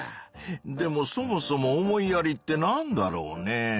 でもそもそも「思いやり」ってなんだろうね？